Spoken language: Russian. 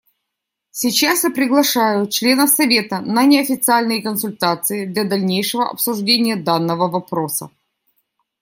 Сейчас я приглашаю членов Совета на неофициальные консультации для дальнейшего обсуждения данного вопроса.